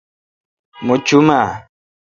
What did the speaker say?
مہ چوم اؘ۔